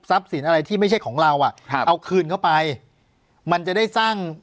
สินอะไรที่ไม่ใช่ของเราอ่ะครับเอาคืนเข้าไปมันจะได้สร้าง